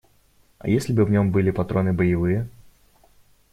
А если бы в нем были патроны боевые?